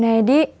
juna yeh di